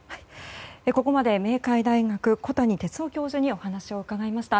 ここまで明海大学小谷哲男教授にお話を伺いました。